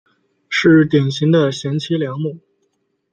是典型的贤妻良母。